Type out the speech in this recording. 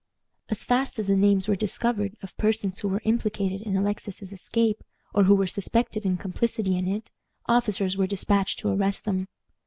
As fast as the names were discovered of persons who were implicated in Alexis's escape, or who were suspected of complicity in it, officers were dispatched to arrest them.